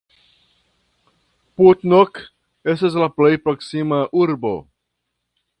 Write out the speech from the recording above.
Putnok estas la plej proksima urbo.